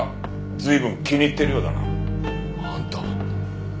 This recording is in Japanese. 随分気に入ってるようだな。あんた。